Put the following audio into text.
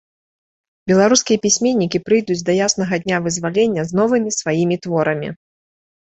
Беларускія пісьменнікі прыйдуць да яснага дня вызвалення з новымі сваімі творамі.